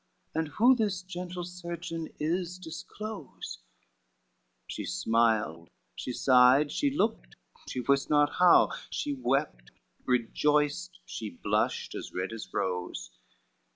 And who this gentle surgeon is, disclose;" She smiled, she sighed, she looked she wist not how, She wept, rejoiced, she blushed as red as rose.